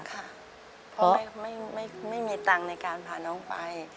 เพราะไม่มีตังค์ในการพาน้องไป